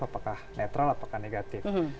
apakah netral apakah negatif